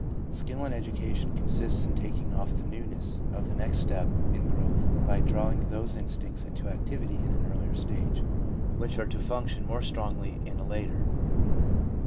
Skill in education consists in taking off the newness of the next step in growth, by drawing those instincts into activity in an earlier stage, which are to function more strongly in a later.